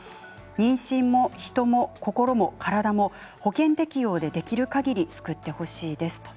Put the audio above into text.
妊娠も人も心も体も保険適用でできるかぎり救ってほしいです。